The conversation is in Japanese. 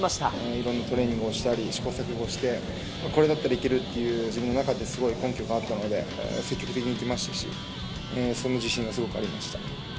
いろいろなトレーニングをしたり、試行錯誤して、これだったらいけるっていう自分の中ですごい根拠があったので、積極的にいきましたし、その自信もすごくありました。